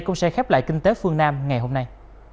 cũng sẽ khép lại kinh tế phương nam ngày hôm nay